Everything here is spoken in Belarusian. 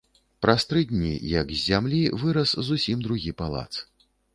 Праз тры дні, як з зямлі, вырас зусім другі палац.